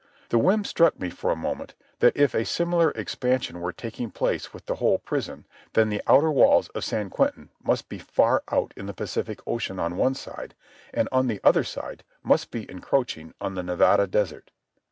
The whim struck me for a moment that if a similar expansion were taking place with the whole prison, then the outer walls of San Quentin must be far out in the Pacific Ocean on one side and on the other side must be encroaching on the Nevada desert.